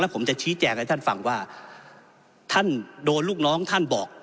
ผมจะชี้แจงให้ท่านฟังว่าท่านโดนลูกน้องท่านบอก